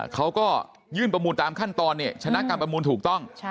เขาก็ยื่นประมูลตามขั้นตอนเนี่ยชนะการประมูลถูกต้อง